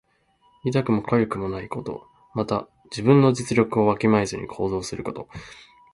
痛くもかゆくもないこと。また、自分の実力をわきまえずに行動すること。